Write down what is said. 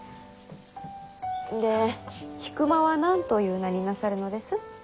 で引間は何と言う名になさるのです？